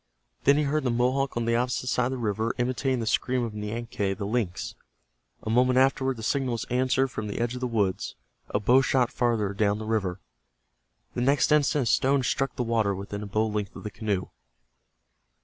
Then he heard the Mohawk on the opposite side of the river imitating the scream of Nianque, the lynx. A moment afterward the signal was answered from the edge of the woods, a bow shot farther down the river. The next instant a stone struck the water within a bow length of the canoe.